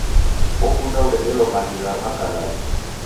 Okunda uredelo maghi gha makalai.